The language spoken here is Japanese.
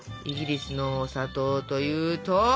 イギリスの砂糖というと？